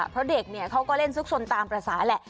เพราะเด็กเนี่ยเขาก็เล่นซุกสนตามภาษาแหละ